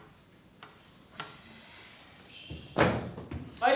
はい。